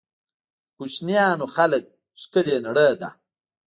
د کوچنیانو ژوند ښکلې نړۍ ده